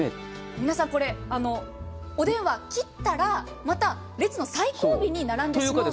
皆さん、お電話切ったら、また列の最後尾に並んでしまうので。